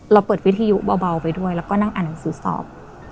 เราเปิดวิทยุเบาไปด้วยแล้วก็นั่งอ่านหนังสือสอบ